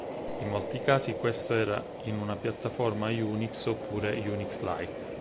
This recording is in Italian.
In molti casi questo era in una piattaforma Unix oppure Unix-like.